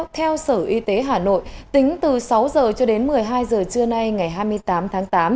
theo sở y tế hà nội tính từ sáu h cho đến một mươi hai giờ trưa nay ngày hai mươi tám tháng tám